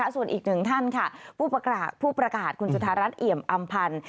ส่วนอีกหนึ่งท่านค่ะผู้ประกาศคุณจุธารัฐเอี่ยมอำพันธ์